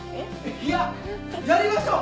いややりましょう！